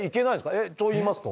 えっといいますと？